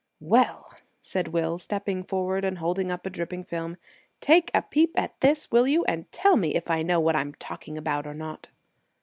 "Well," said Will, stepping forward and holding up a dripping film, "take a peep at this, will you, and tell me if I know what I'm talking about or not!"